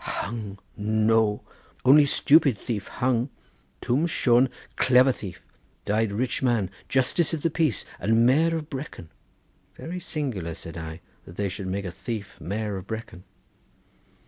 "Hung, no! only stupid thief hung. Twm Shone clever thief; died rich man, justice of the peace and mayor of Brecon." "Very singular," said I, "that they should make a thief mayor of Brecon."